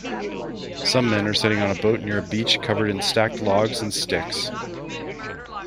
Some men are sitting on a boat near a beach covered in stacked logs and sticks.